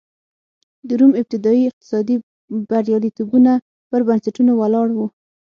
د روم ابتدايي اقتصادي بریالیتوبونه پر بنسټونو ولاړ و